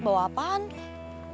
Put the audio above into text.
bawa apaan tuh